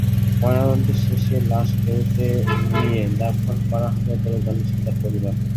ময়নাতদন্ত শেষে লাশ ফেনীতে নিয়ে দাফন করা হবে বলে জানিয়েছে তাঁর পরিবার।